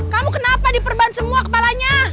kamu kenapa diperban semua kepalanya